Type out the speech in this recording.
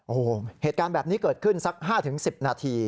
โอ้โหเหตุการณ์แบบนี้เกิดขึ้นสัก๕๑๐นาที